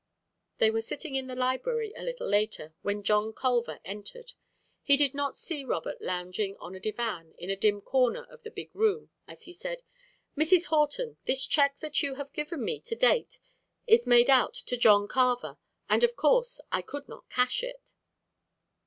They were sitting in the library a little later, when John Culver entered. He did not see Robert lounging on a divan in a dim corner of the big room as he said, "Mrs. Horton, this check that you have given me to date is made out to John Carver and of course I could not cash it."